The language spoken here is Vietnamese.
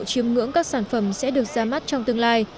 chiếm ngưỡng các sản phẩm sẽ được ra mắt trong tương lai